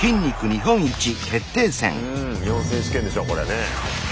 うん日本選手権でしょうこれね。